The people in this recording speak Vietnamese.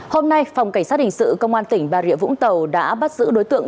hôm nay phòng cảnh sát hình sự công an tỉnh bà rịa vũng tàu đã bắt giữ đối tượng